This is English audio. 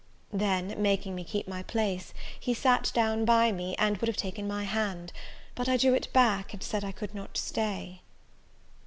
Then, making me keep my place, he sat down by me, and would have taken my hand; but I drew it back, and said I could not stay.